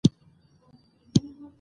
پاکوالی او روغتیا سره تړلي دي.